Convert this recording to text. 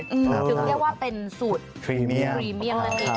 ถึงอยากว่าเป็นสูตรครีเมี่ยง